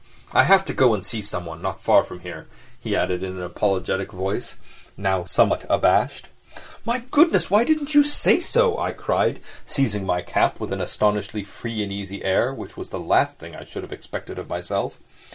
I have to go and see someone ... not far from here," he added in an apologetic voice, somewhat abashed. "My goodness, why didn't you say so?" I cried, seizing my cap, with an astonishingly free and easy air, which was the last thing I should have expected of myself.